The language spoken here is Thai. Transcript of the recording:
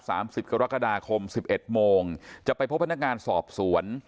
สิบกรกฎาคมสิบเอ็ดโมงจะไปพบพนักงานสอบสวน